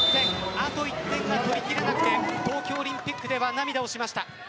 あと１点が取りきれなくて東京オリンピックでは涙をしました。